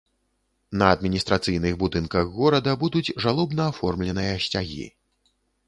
На адміністрацыйных будынках горада будуць жалобна аформленыя сцягі.